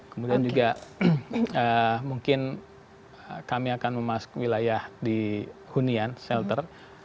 kemudian juga mungkin kami akan memasuki wilayah di hunian shelter